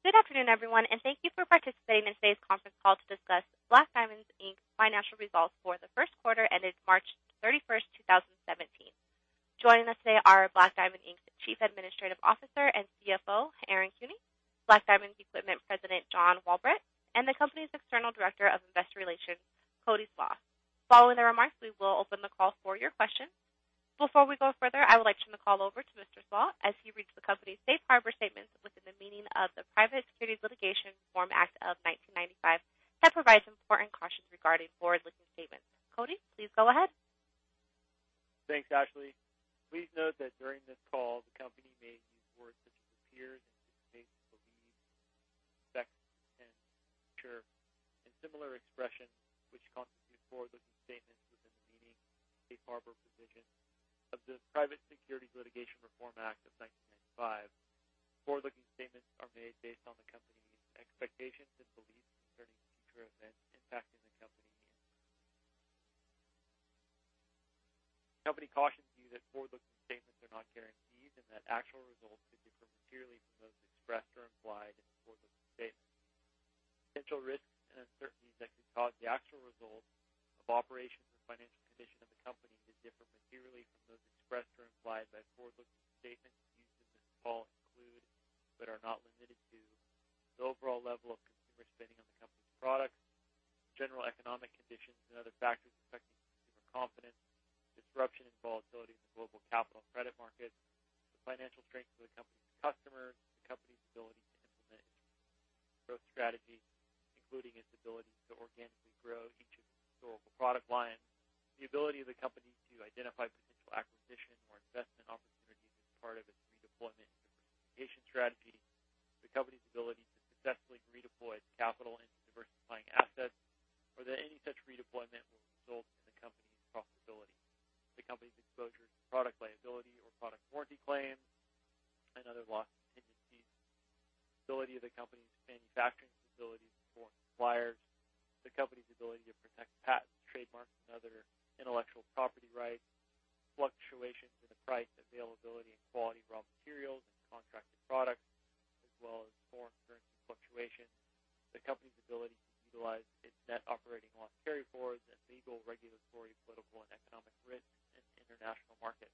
Good afternoon, everyone, and thank you for participating in today's conference call to discuss Black Diamond, Inc.'s financial results for the first quarter ended March 31st, 2017. Joining us today are Black Diamond, Inc.'s Chief Administrative Officer and CFO, Aaron Kuehne, Black Diamond Equipment President, John Walbrecht, and the company's External Director of Investor Relations, Cody Slach. Following the remarks, we will open the call for your questions. Before we go further, I would like to turn the call over to Mr. Slach as he reads the Company's safe harbor statement within the meaning of the Private Securities Litigation Reform Act of 1995, that provides important cautions regarding forward-looking statements. Cody, please go ahead. Thanks, Ashley. Please note that during this call, the company may use words such as appears, anticipates, believes, expects, intends, is sure, and similar expressions which constitute forward-looking statements within the meaning of the safe harbor provisions of the Private Securities Litigation Reform Act of 1995. Forward-looking statements are made based on the company's expectations and beliefs concerning future events impacting the company. The company cautions you that forward-looking statements are not guarantees and that actual results could differ materially from those expressed or implied in the forward-looking statements. Potential risks and uncertainties that could cause the actual results of operations or financial condition of the company to differ materially from those expressed or implied by forward-looking statements used in this call include, but are not limited to, the overall level of consumer spending on the company's products, general economic conditions and other factors affecting consumer confidence, disruption and volatility in the global capital and credit markets, the financial strength of the company's customers, the company's ability to implement its growth strategies, including its ability to organically grow each of its historical product lines, the ability of the company to identify potential acquisition or investment opportunities as part of its redeployment and diversification strategy, the company's ability to successfully redeploy its capital into diversifying assets, or that any such redeployment will result in the company's profitability, the company's exposure to product liability or product warranty claims and other loss contingencies, the ability of the company's manufacturing facilities to perform as required, the company's ability to protect patents, trademarks, and other intellectual property rights, fluctuations in the price, availability, and quality of raw materials and contracted products, as well as foreign currency fluctuations, the company's ability to utilize its net operating loss carryforwards, and legal, regulatory, political, and economic risks in international markets.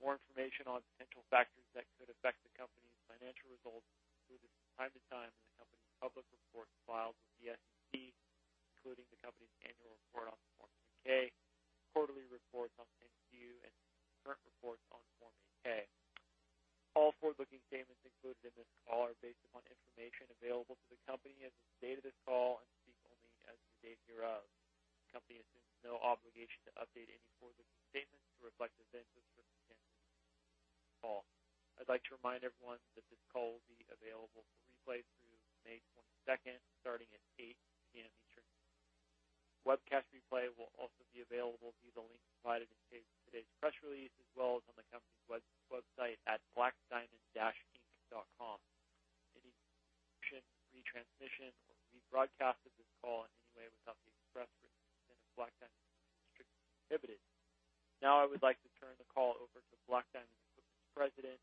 More information on potential factors that could affect the company's financial results will be included from time to time in the company's public reports filed with the SEC, including the company's annual report on Form 10-K, quarterly reports on 10-Q, and current reports on Form 8-K. All forward-looking statements included in this call are based upon information available to the company as of the date of this call and speak only as of the date hereof. The company assumes no obligation to update any forward-looking statements to reflect events or circumstances after this call. I'd like to remind everyone that this call will be available for replay through May 22nd, starting at 8:00 P.M. Eastern. Webcast replay will also be available through the link provided in today's press release, as well as on the company's website at blackdiamond-inc.com. Any distribution, retransmission, or rebroadcast of this call in any way without the express written consent of Black Diamond is strictly prohibited. I would like to turn the call over to Black Diamond Equipment President,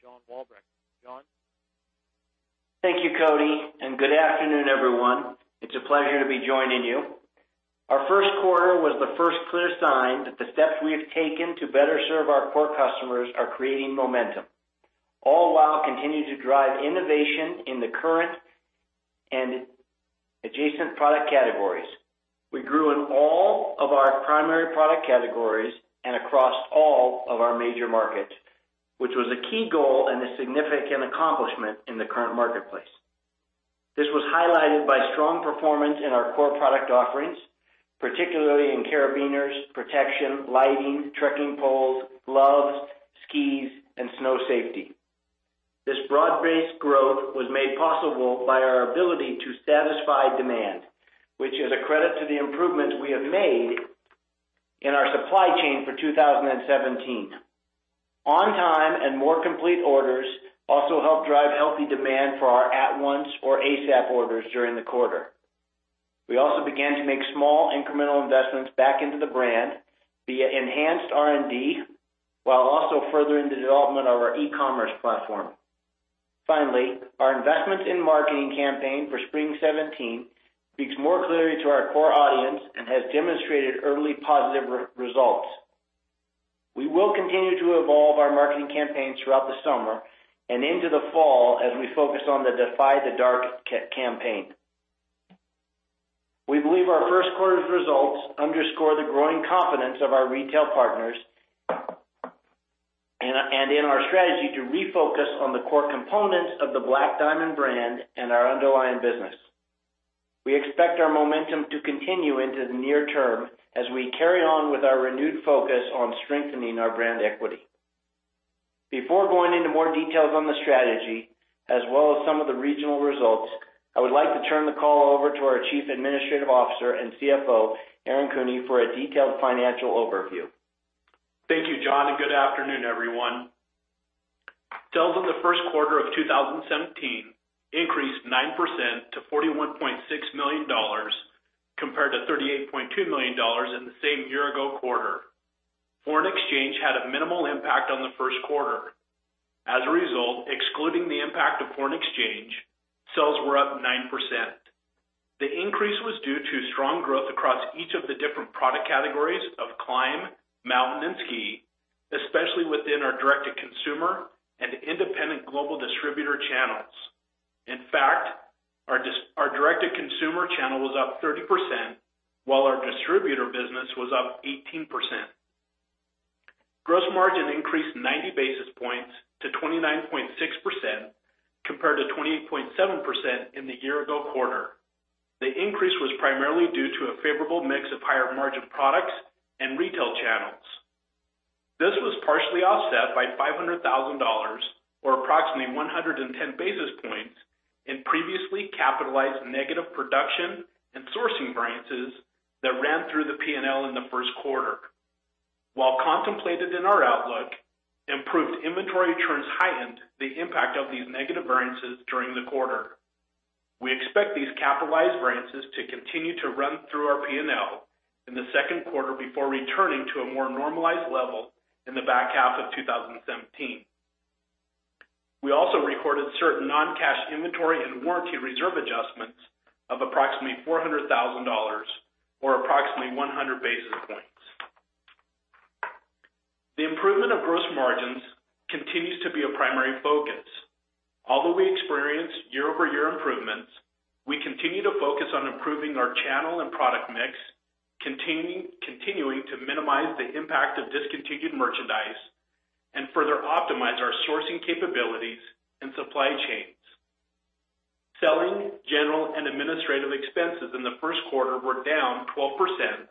John Walbrecht. John? Thank you, Cody, and good afternoon, everyone. It's a pleasure to be joining you. Our first quarter was the first clear sign that the steps we have taken to better serve our core customers are creating momentum, all while continuing to drive innovation in the current and adjacent product categories. We grew in all of our primary product categories and across all of our major markets, which was a key goal and a significant accomplishment in the current marketplace. This was highlighted by strong performance in our core product offerings, particularly in carabiners, protection, lighting, trekking poles, gloves, skis, and snow safety. This broad-based growth was made possible by our ability to satisfy demand, which is a credit to the improvements we have made in our supply chain for 2017. On time and more complete orders also helped drive healthy demand for our at-once or ASAP orders during the quarter. We also began to make small incremental investments back into the brand via enhanced R&D, while also furthering the development of our e-commerce platform. Our investments in marketing campaign for spring 2017 speaks more clearly to our core audience and has demonstrated early positive results. We will continue to evolve our marketing campaign throughout the summer and into the fall as we focus on the Defy the Dark campaign. We believe our first quarter's results underscore the growing confidence of our retail partners and in our strategy to refocus on the core components of the Black Diamond brand and our underlying business. We expect our momentum to continue into the near term as we carry on with our renewed focus on strengthening our brand equity. Before going into more details on the strategy, as well as some of the regional results, I would like to turn the call over to our Chief Administrative Officer and CFO, Aaron Kuehne, for a detailed financial overview. Thank you, John, and good afternoon, everyone. Sales in the first quarter of 2017 increased 9% to $41.6 million. Compared to $38.2 million in the same year-ago quarter. Foreign exchange had a minimal impact on the first quarter. As a result, excluding the impact of foreign exchange, sales were up 9%. The increase was due to strong growth across each of the different product categories of climb, mountain, and ski, especially within our direct-to-consumer and independent global distributor channels. In fact, our direct-to-consumer channel was up 30%, while our distributor business was up 18%. Gross margin increased 90 basis points to 29.6%, compared to 28.7% in the year-ago quarter. The increase was primarily due to a favorable mix of higher-margin products and retail channels. This was partially offset by $500,000, or approximately 110 basis points in previously capitalized negative production and sourcing variances that ran through the P&L in the first quarter. While contemplated in our outlook, improved inventory trends heightened the impact of these negative variances during the quarter. We expect these capitalized variances to continue to run through our P&L in the second quarter before returning to a more normalized level in the back half of 2017. We also recorded certain non-cash inventory and warranty reserve adjustments of approximately $400,000, or approximately 100 basis points. The improvement of gross margins continues to be a primary focus. Although we experienced year-over-year improvements, we continue to focus on improving our channel and product mix, continuing to minimize the impact of discontinued merchandise and further optimize our sourcing capabilities and supply chains. Selling, general, and administrative expenses in the first quarter were down 12%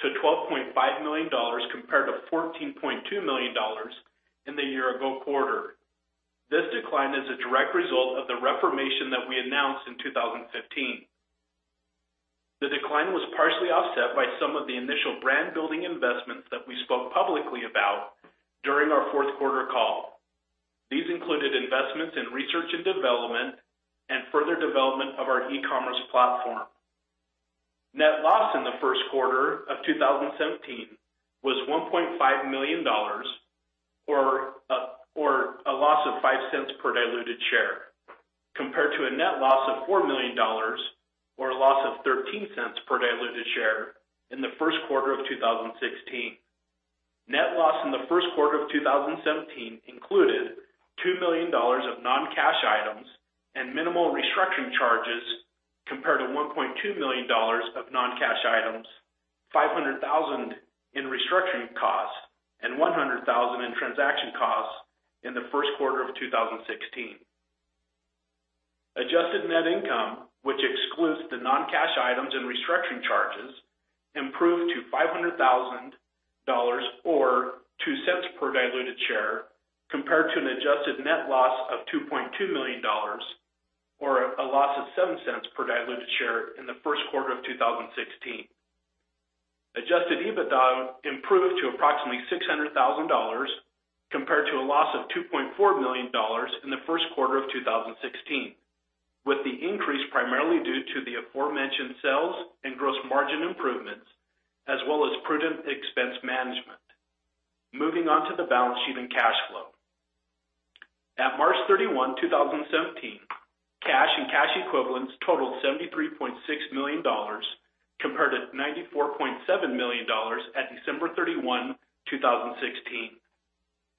to $12.5 million, compared to $14.2 million in the year-ago quarter. This decline is a direct result of the reformation that we announced in 2015. The decline was partially offset by some of the initial brand-building investments that we spoke publicly about during our fourth quarter call. These included investments in research and development and further development of our e-commerce platform. Net loss in the first quarter of 2017 was $1.5 million, or a loss of $0.05 per diluted share, compared to a net loss of $4 million, or a loss of $0.13 per diluted share in the first quarter of 2016. Net loss in the first quarter of 2017 included $2 million of non-cash items and minimal restructuring charges, compared to $1.2 million of non-cash items, $500,000 in restructuring costs, and $100,000 in transaction costs in the first quarter of 2016. Adjusted net income, which excludes the non-cash items and restructuring charges, improved to $500,000, or $0.02 per diluted share, compared to an adjusted net loss of $2.2 million, or a loss of $0.07 per diluted share in the first quarter of 2016. Adjusted EBITDA improved to approximately $600,000, compared to a loss of $2.4 million in the first quarter of 2016, with the increase primarily due to the aforementioned sales and gross margin improvements, as well as prudent expense management. Moving on to the balance sheet and cash flow. At March 31, 2017, cash and cash equivalents totaled $73.6 million, compared to $94.7 million at December 31, 2016.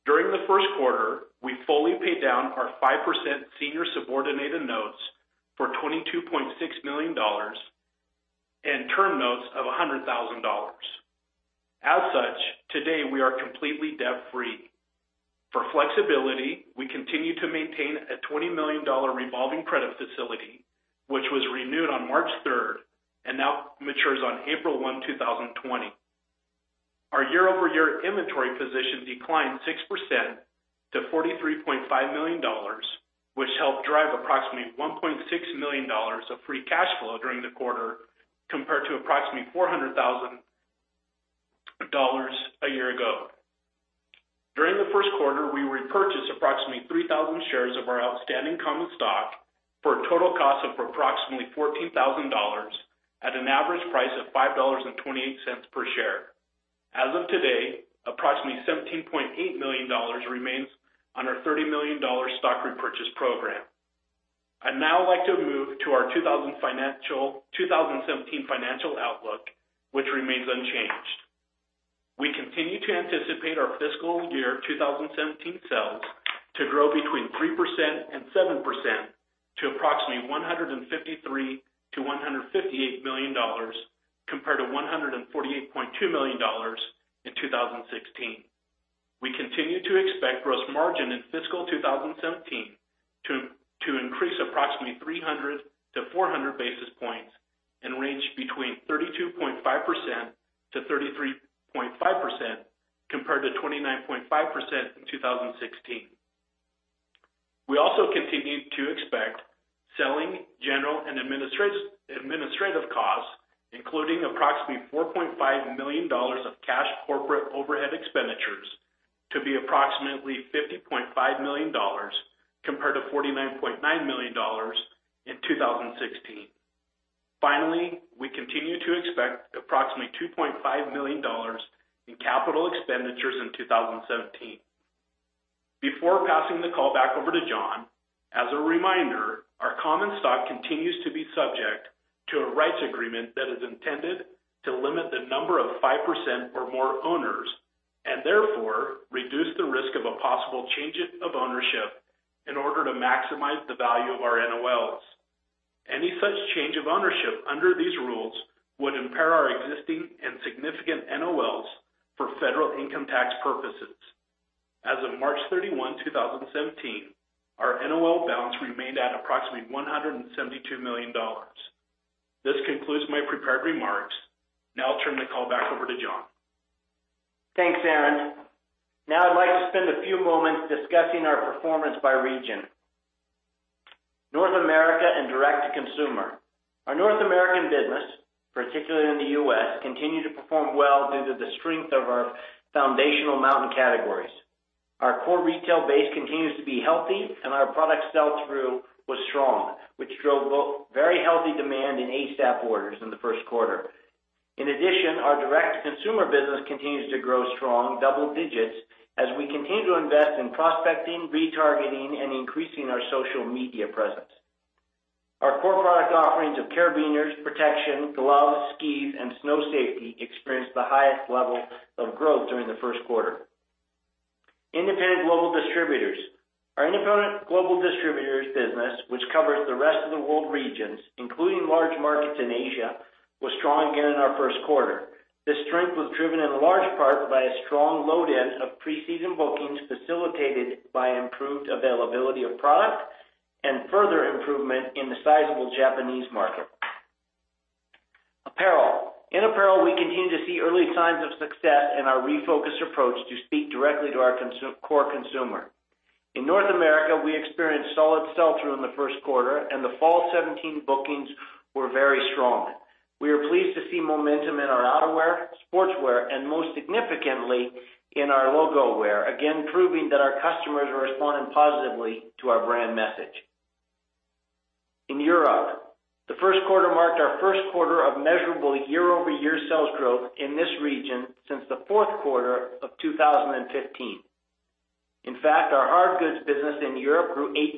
During the first quarter, we fully paid down our 5% senior subordinated notes for $22.6 million and term notes of $100,000. As such, today we are completely debt-free. For flexibility, we continue to maintain a $20 million revolving credit facility, which was renewed on March 3rd and now matures on April 1, 2020. Our year-over-year inventory position declined 6% to $43.5 million, which helped drive approximately $1.6 million of free cash flow during the quarter, compared to approximately $400,000 a year ago. During the first quarter, we repurchased approximately 3,000 shares of our outstanding common stock for a total cost of approximately $14,000 at an average price of $5.28 per share. As of today, approximately $17.8 million remains on our $30 million stock repurchase program. I'd now like to move to our 2017 financial outlook, which remains unchanged. We continue to anticipate our fiscal year 2017 sales to grow between 3% and 7% to approximately $153 million-$158 million, compared to $148.2 million in 2016. We continue to expect gross margin in fiscal 2017 to increase approximately 300-400 basis points and range between 32.5%-33.5%, compared to 29.5% in 2016. We also continue to expect selling, general, and administrative costs, including approximately $4.5 million of cash corporate overhead expenditures to be approximately $50.5 million compared to $49.9 million in 2016. Finally, we continue to expect approximately $2.5 million in capital expenditures in 2017. Before passing the call back over to John, as a reminder, our common stock continues to be subject to a rights agreement that is intended to limit the number of 5% or more owners, and therefore reduce the risk of a possible change of ownership in order to maximize the value of our NOLs. Any such change of ownership under these rules would impair our existing and significant NOLs for federal income tax purposes. As of March 31, 2017, our NOL balance remained at approximately $172 million. This concludes my prepared remarks. Now I'll turn the call back over to John. Thanks, Aaron. Now I'd like to spend a few moments discussing our performance by region. North America and direct-to-consumer. Our North American business, particularly in the U.S., continued to perform well due to the strength of our foundational mountain categories. Our core retail base continues to be healthy, and our product sell-through was strong, which drove very healthy demand in ASAP orders in the first quarter. In addition, our direct-to-consumer business continues to grow strong, double digits, as we continue to invest in prospecting, retargeting, and increasing our social media presence. Our core product offerings of carabiners, protection, gloves, skis, and snow safety experienced the highest level of growth during the first quarter. Independent global distributors. Our independent global distributors business, which covers the rest of the world regions, including large markets in Asia, was strong again in our first quarter. This strength was driven in large part by a strong load-in of pre-season bookings, facilitated by improved availability of product and further improvement in the sizable Japanese market. Apparel. In apparel, we continue to see early signs of success in our refocused approach to speak directly to our core consumer. In North America, we experienced solid sell-through in the first quarter and the fall 2017 bookings were very strong. We are pleased to see momentum in our outerwear, sportswear, and most significantly, in our logo wear, again proving that our customers are responding positively to our brand message. In Europe, the first quarter marked our first quarter of measurable year-over-year sales growth in this region since the fourth quarter of 2015. In fact, our hard goods business in Europe grew 8%.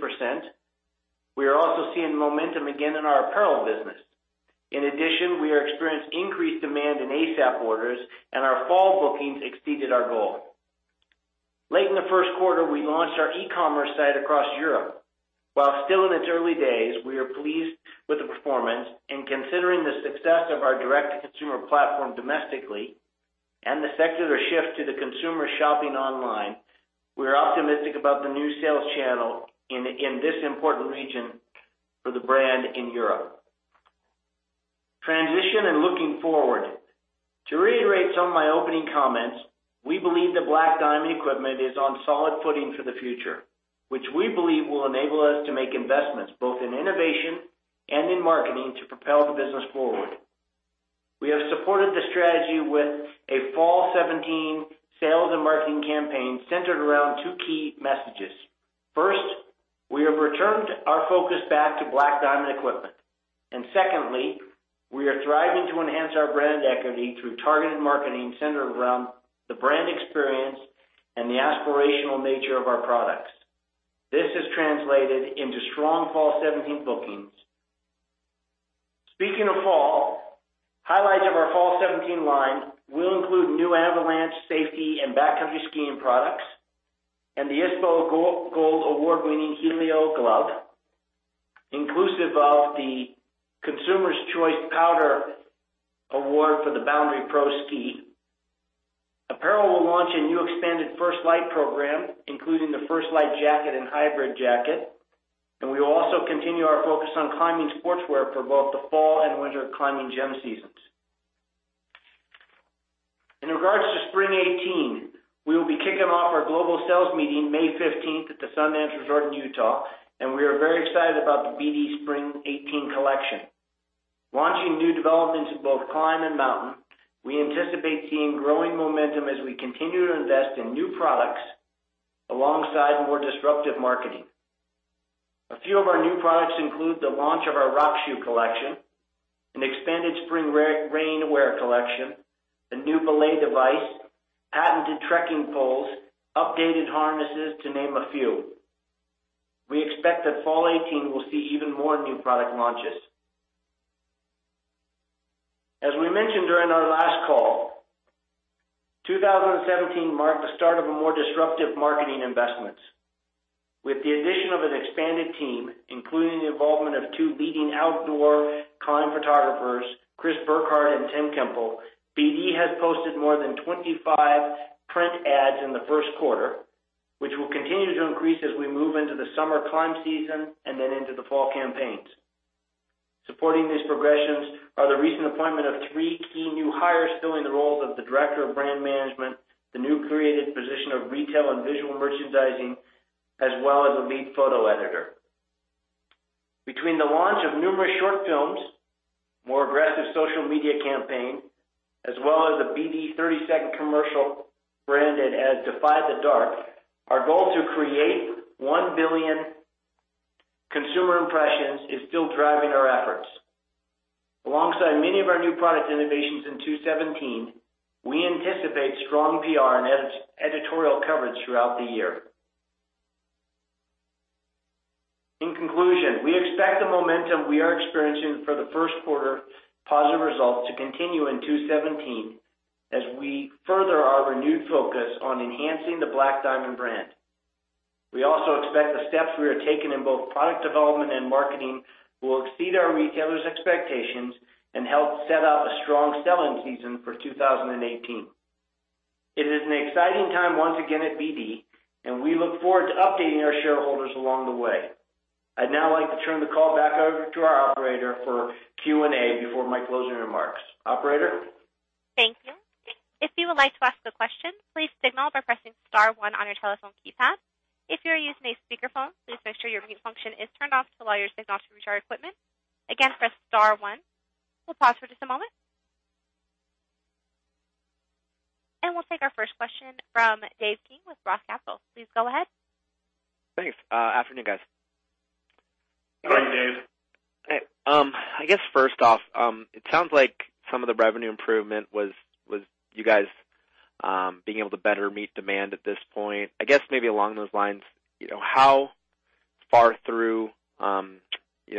We are also seeing momentum again in our apparel business. In addition, we are experiencing increased demand in ASAP orders, and our fall bookings exceeded our goal. Late in the first quarter, we launched our e-commerce site across Europe. While still in its early days, we are pleased with the performance. Considering the success of our direct-to-consumer platform domestically and the secular shift to the consumer shopping online, we're optimistic about the new sales channel in this important region for the brand in Europe. Transition and looking forward. To reiterate some of my opening comments, we believe that Black Diamond Equipment is on solid footing for the future, which we believe will enable us to make investments both in innovation and in marketing to propel the business forward. We have supported the strategy with a fall 2017 sales and marketing campaign centered around two key messages. First, we have returned our focus back to Black Diamond Equipment, and secondly, we are striving to enhance our brand equity through targeted marketing centered around the brand experience and the aspirational nature of our products. This has translated into strong fall 2017 bookings. Speaking of fall, highlights of our fall 2017 line will include new avalanche safety and backcountry skiing products, and the ISPO Gold Award-winning Helio Glove, inclusive of the Skier's Choice Award for the Boundary Pro ski. Apparel will launch a new expanded First Light program, including the First Light jacket and hybrid jacket, and we will also continue our focus on climbing sportswear for both the fall and winter climbing gym seasons. In regards to spring 2018, we will be kicking off our global sales meeting May 15th at the Sundance Resort in Utah, and we are very excited about the BD Spring 2018 Collection. Launching new developments in both climb and mountain, we anticipate seeing growing momentum as we continue to invest in new products alongside more disruptive marketing. A few of our new products include the launch of our rock shoe collection, an expanded spring rainwear collection, a new belay device, patented trekking poles, updated harnesses to name a few. We expect that fall 2018 will see even more new product launches. As we mentioned during our last call, 2017 marked the start of more disruptive marketing investments. With the addition of an expanded team, including the involvement of two leading outdoor climb photographers, Chris Burkard and Tim Temple, BD has posted more than 25 print ads in the first quarter, which will continue to increase as we move into the summer climb season and then into the fall campaigns. Supporting these progressions are the recent appointment of three key new hires filling the roles of the director of brand management, the new created position of retail and visual merchandising, as well as a lead photo editor. Between the launch of numerous short films, more aggressive social media campaign, as well as a BD 30-second commercial branded as Defy the Dark, our goal to create 1 billion consumer impressions is still driving our efforts. Alongside many of our new product innovations in 2017, we anticipate strong PR and editorial coverage throughout the year. In conclusion, we expect the momentum we are experiencing for the first quarter positive results to continue in 2017 as we further our renewed focus on enhancing the Black Diamond brand. We also expect the steps we are taking in both product development and marketing will exceed our retailers' expectations and help set up a strong selling season for 2018. It is an exciting time once again at BD, and we look forward to updating our shareholders along the way. I'd now like to turn the call back over to our operator for Q&A before my closing remarks. Operator? Thank you. If you would like to ask a question, please signal by pressing star one on your telephone keypad. If you are using a speakerphone, please make sure your mute function is turned off to allow your signal to reach our equipment. Again, press star one. We'll pause for just a moment. We'll take our first question from Dave King with ROTH Capital. Please go ahead. Thanks. Afternoon, guys. Good morning, Dave. I guess first off, it sounds like some of the revenue improvement was you guys being able to better meet demand at this point. I guess maybe along those lines, how far through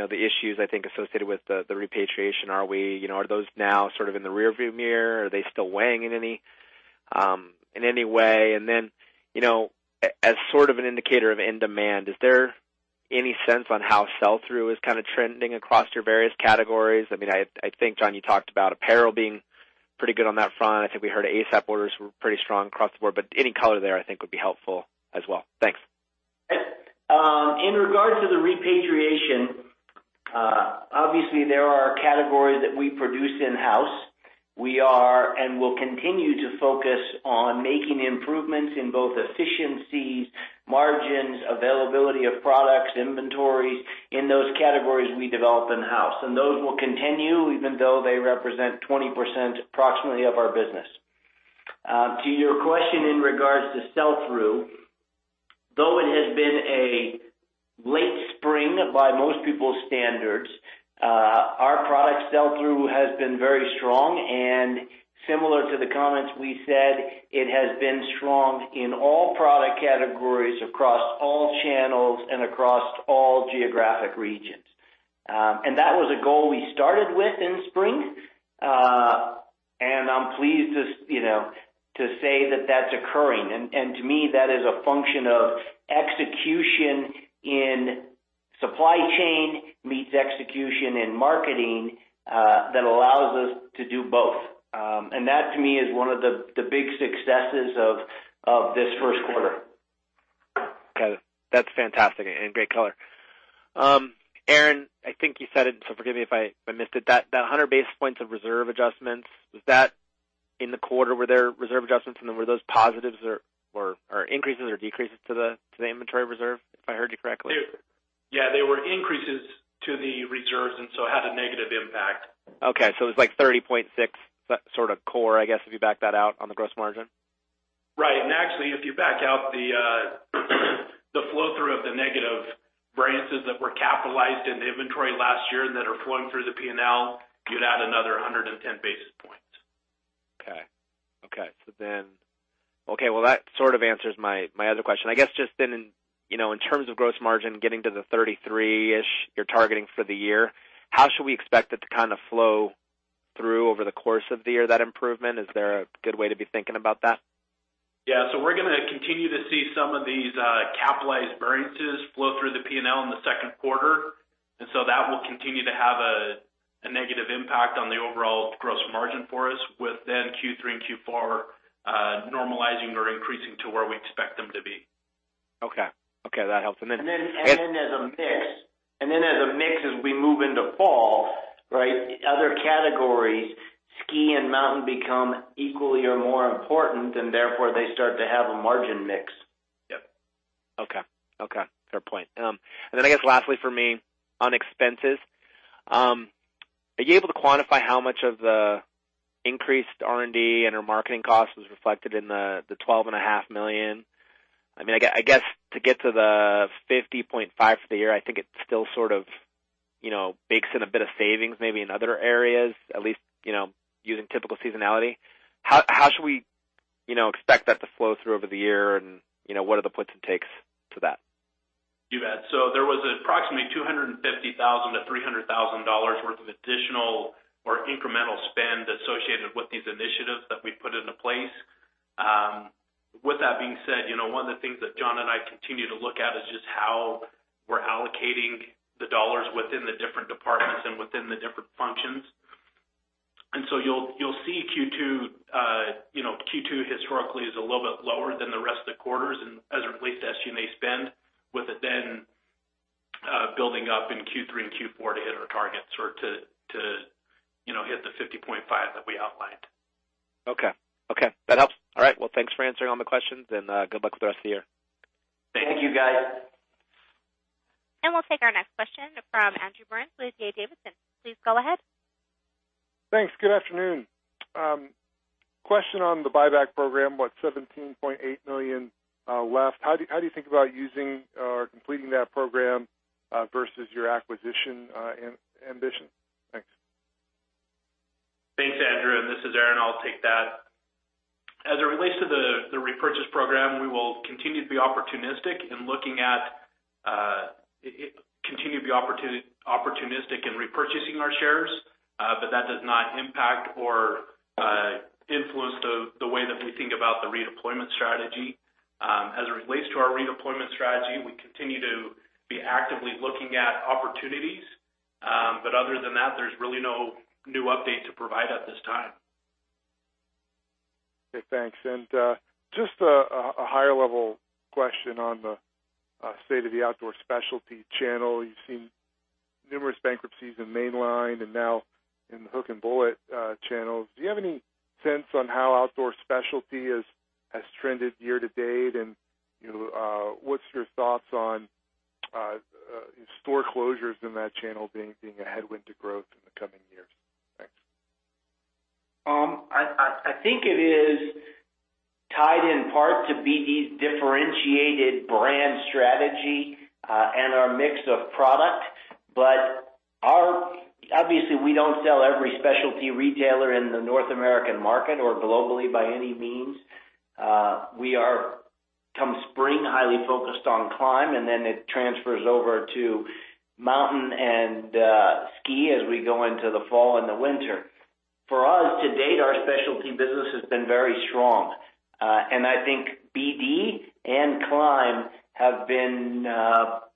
the issues I think associated with the repatriation are we? Are those now sort of in the rear-view mirror? Are they still weighing in any way? As sort of an indicator of in demand, is there any sense on how sell-through is kind of trending across your various categories? I think, John, you talked about apparel being pretty good on that front. I think we heard ASAP orders were pretty strong across the board. Any color there I think would be helpful as well. Thanks. In regards to the repatriation, obviously there are categories that we produce in-house. We are and will continue to focus on making improvements in both efficiencies, margins, availability of products, inventories in those categories we develop in-house. Those will continue even though they represent 20% approximately of our business. To your question in regards to sell-through, though it has been a late spring by most people's standards, our product sell-through has been very strong and similar to the comments we said, it has been strong in all product categories across all channels and across all geographic regions. That was a goal we started with in spring, and I'm pleased to say that that's occurring. To me, that is a function of execution in supply chain meets execution in marketing, that allows us to do both. That to me is one of the big successes of this first quarter. Got it. That's fantastic and great color. Aaron, I think you said it, so forgive me if I missed it, that 100 basis points of reserve adjustments, was that in the quarter were there reserve adjustments, and then were those positives or increases or decreases to the inventory reserve, if I heard you correctly? They were increases to the reserves, and so it had a negative impact. Okay, it was like 30.6% sort of core, I guess, if you back that out on the gross margin? Right. Actually, if you back out the flow-through of the negative variances that were capitalized in the inventory last year and that are flowing through the P&L, you'd add another 110 basis points. Okay. Well, that sort of answers my other question. I guess just then, in terms of gross margin, getting to the 33-ish you're targeting for the year, how should we expect it to kind of flow through over the course of the year, that improvement? Is there a good way to be thinking about that? Yeah. We're going to continue to see some of these capitalized variances flow through the P&L in the second quarter. That will continue to have a negative impact on the overall gross margin for us with Q3 and Q4 normalizing or increasing to where we expect them to be. Okay. That helps. As a mix as we move into fall, other categories, ski and mountain become equally or more important, and therefore they start to have a margin mix. Yep. Okay. Fair point. I guess lastly from me on expenses, are you able to quantify how much of the increased R&D and your marketing cost was reflected in the $12.5 million? I guess to get to the $50.5 million for the year, I think it still sort of bakes in a bit of savings maybe in other areas, at least using typical seasonality. How should we expect that to flow through over the year, and what are the puts and takes to that? You bet. There was approximately $250,000-$300,000 worth of additional or incremental spend associated with these initiatives that we put into place. With that being said, one of the things that John and I continue to look at is just how we're allocating the dollars within the different departments and within the different functions. You'll see Q2 historically is a little bit lower than the rest of the quarters and as it relates to SG&A spend with it then building up in Q3 and Q4 to hit our targets or to hit the $50.5 million that we outlined. Okay. That helps. All right. Well, thanks for answering all my questions and good luck with the rest of the year. Thank you, guys. We'll take our next question from Andrew Burns with D.A. Davidson. Please go ahead. Thanks. Good afternoon. Question on the buyback program, about $17.8 million left. How do you think about using or completing that program versus your acquisition ambition? Thanks. Thanks, Andrew. This is Aaron. I'll take that. As it relates to the repurchase program, we will continue to be opportunistic in repurchasing our shares. That does not impact or influence the way that we think about the redeployment strategy. As it relates to our redeployment strategy, we continue to be actively looking at opportunities. Other than that, there's really no new update to provide at this time. Okay. Thanks. Just a higher-level question on the state of the outdoor specialty channel. You've seen numerous bankruptcies in mainline and now in the hook-and-bullet channels. Do you have any sense on how outdoor specialty has trended year to date? What's your thoughts on store closures in that channel being a headwind to growth in the coming years? Thanks. I think it is tied in part to BD's differentiated brand strategy and our mix of product. Obviously, we don't sell every specialty retailer in the North American market or globally by any means. We are, come spring, highly focused on climb, and then it transfers over to mountain and ski as we go into the fall and the winter. For us, to date, our specialty business has been very strong. I think BD and climb have been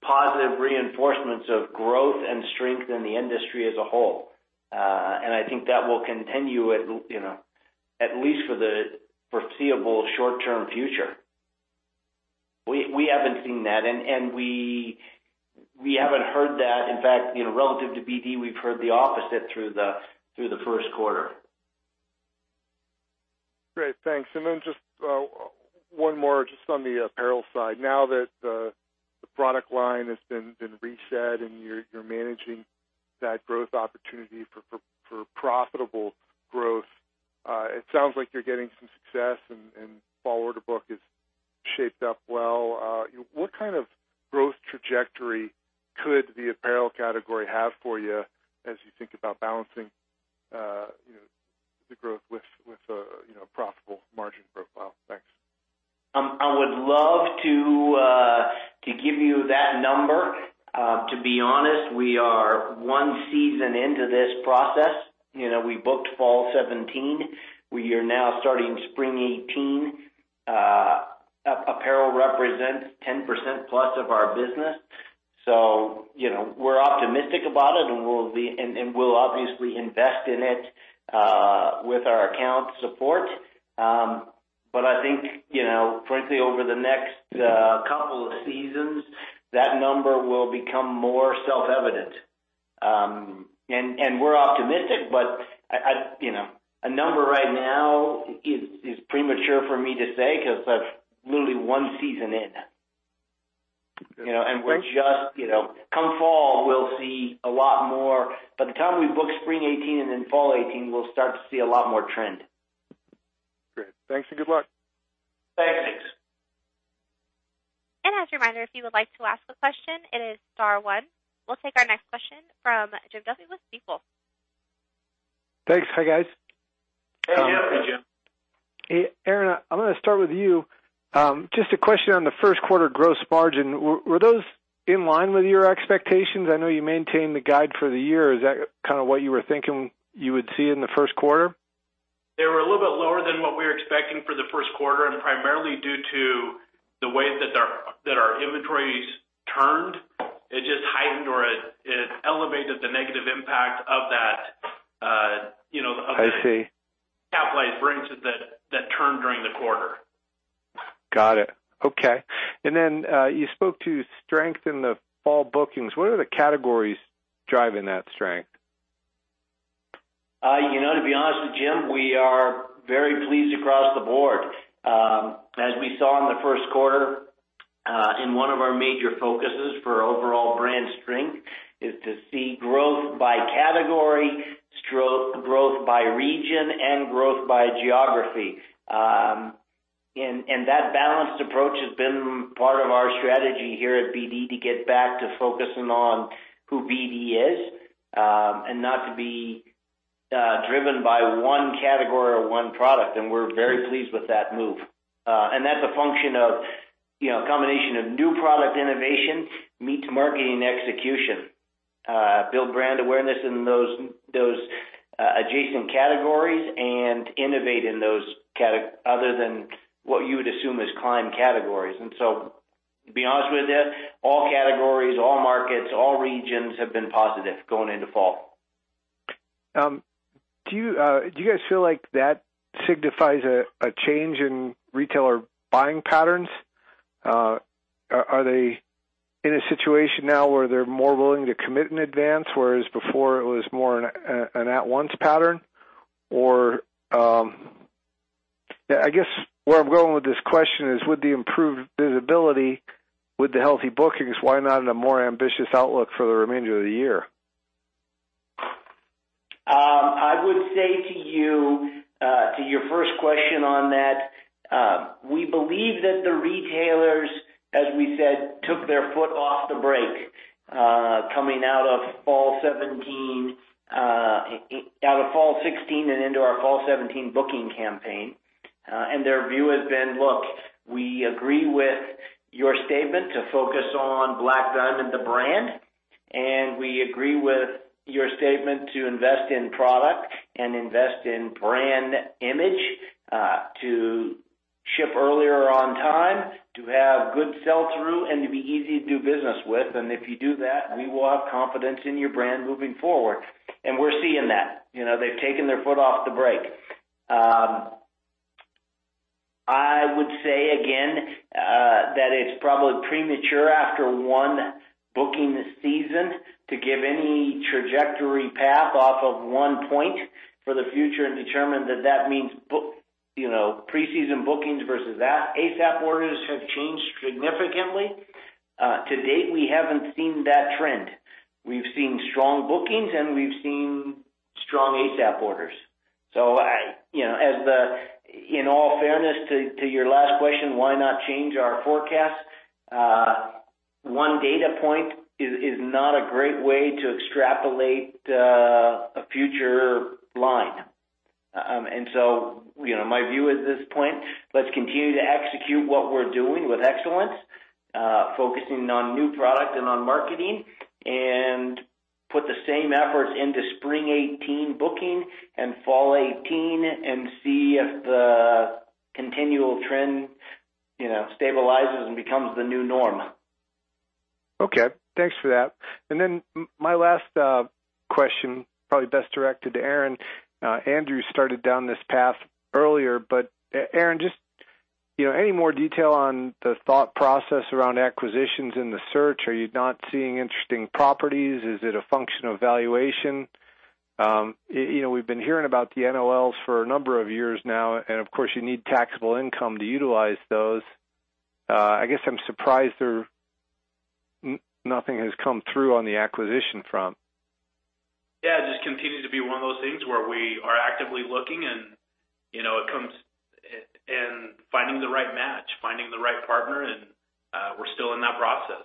positive reinforcements of growth and strength in the industry as a whole. I think that will continue at least for the foreseeable short-term future. We haven't seen that, and we haven't heard that. In fact, relative to BD, we've heard the opposite through the first quarter. Great, thanks. Then just one more just on the apparel side. Now that the product line has been reset and you're managing that growth opportunity for profitable growth, it sounds like you're getting some success and fall order book is shaped up well. What kind of growth trajectory could the apparel category have for you as you think about balancing the growth with a profitable margin profile? Thanks. I would love to give you that number. To be honest, we are one season into this process. We booked fall 2017. We are now starting spring 2018. Apparel represents 10%+ of our business. We're optimistic about it, and we'll obviously invest in it with our account support. I think, frankly, over the next couple of seasons, that number will become more self-evident. We're optimistic, but a number right now is premature for me to say because that's literally one season in. Okay. Great. Come fall, we'll see a lot more. By the time we book spring 2018 and then fall 2018, we'll start to see a lot more trend. Great. Thanks and good luck. Thanks. As a reminder, if you would like to ask a question, it is star one. We'll take our next question from Jim Duffy with Stifel. Thanks. Hi, guys. Hey, Jim. Hey, Aaron. I'm going to start with you. Just a question on the first quarter gross margin, were those in line with your expectations? I know you maintained the guide for the year. Is that kind of what you were thinking you would see in the first quarter? They were a little bit lower than what we were expecting for the first quarter, and primarily due to the way that our inventories turned. It just heightened or elevated the negative impact of that, you know. I see. Capitalized variances that turned during the quarter. Got it. Okay. You spoke to strength in the fall bookings. What are the categories driving that strength? To be honest with you, Jim, we are very pleased across the board. As we saw in the first quarter, one of our major focuses for overall brand strength is to see growth by category, growth by region, and growth by geography. That balanced approach has been part of our strategy here at BD to get back to focusing on who BD is, not to be driven by one category or one product. We're very pleased with that move. That's a function of a combination of new product innovation meets marketing execution. Build brand awareness in those adjacent categories and innovate in those categories other than what you would assume as climb categories. To be honest with you, all categories, all markets, all regions have been positive going into fall. Do you guys feel like that signifies a change in retailer buying patterns? Are they in a situation now where they're more willing to commit in advance, whereas before it was more an at-once pattern? I guess where I'm going with this question is, with the improved visibility, with the healthy bookings, why not a more ambitious outlook for the remainder of the year? I would say to your first question on that, we believe that the retailers, as we said, took their foot off the brake, coming out of fall 2016 and into our fall 2017 booking campaign. Their view has been, look, we agree with your statement to focus on Black Diamond the brand, and we agree with your statement to invest in product and invest in brand image, to ship earlier on time, to have good sell-through, and to be easy to do business with. If you do that, we will have confidence in your brand moving forward. We're seeing that. They've taken their foot off the brake. I would say again, that it's probably premature after one booking season to give any trajectory path off of one point for the future and determine that that means pre-season bookings versus ASAP orders have changed significantly. To date, we haven't seen that trend. We've seen strong bookings, and we've seen strong ASAP orders. In all fairness to your last question, why not change our forecast? One data point is not a great way to extrapolate a future line. My view at this point, let's continue to execute what we're doing with excellence, focusing on new product and on marketing, and put the same efforts into spring 2018 booking and fall 2018 and see if the continual trend stabilizes and becomes the new norm. Okay. Thanks for that. My last question, probably best directed to Aaron. Andrew started down this path earlier, Aaron, just any more detail on the thought process around acquisitions in the search. Are you not seeing interesting properties? Is it a function of valuation? We've been hearing about the NOLs for a number of years now, of course, you need taxable income to utilize those. I guess I'm surprised nothing has come through on the acquisition front. Yeah, it just continues to be one of those things where we are actively looking and finding the right match, finding the right partner, and we're still in that process.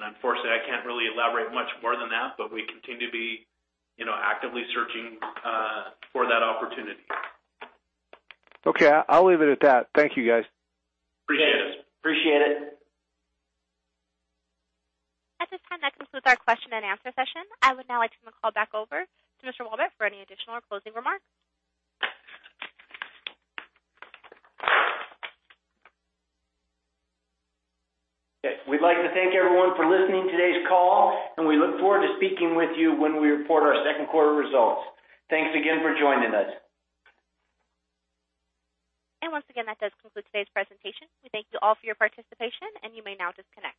Unfortunately, I can't really elaborate much more than that. We continue to be actively searching for that opportunity. Okay. I'll leave it at that. Thank you, guys. Appreciate it. Appreciate it. At this time, that concludes our question-and-answer session. I would now like to turn the call back over to Mr. Walbrecht for any additional closing remarks. Okay. We'd like to thank everyone for listening to today's call, and we look forward to speaking with you when we report our second quarter results. Thanks again for joining us. Once again, that does conclude today's presentation. We thank you all for your participation. You may now disconnect.